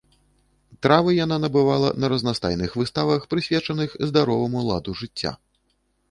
Травы яна набывала на разнастайных выставах, прысвечаных здароваму ладу жыцця.